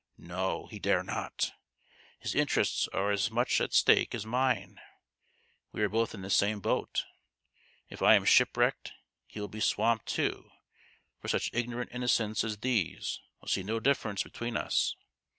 No, he dare not! His interests are as much at stake as mine. We are both in the same boat. If I am ship wrecked he will be swamped too; for such ignorant innocents as these will see no differ ence between us.